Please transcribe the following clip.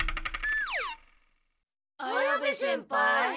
綾部先輩？